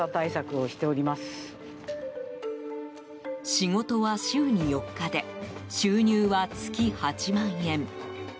仕事は週に４日で収入は月８万円。